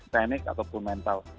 teknik ataupun mental